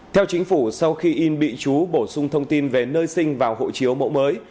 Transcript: theo chính phủ sau khi in bị chú bổ sung thông tin về nơi sinh vào hộ chiếu mẫu mới